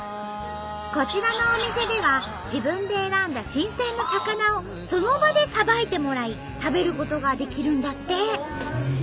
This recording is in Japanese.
こちらのお店では自分で選んだ新鮮な魚をその場でさばいてもらい食べることができるんだって！